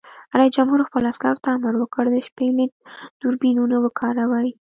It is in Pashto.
رئیس جمهور خپلو عسکرو ته امر وکړ؛ د شپې لید دوربینونه وکاروئ!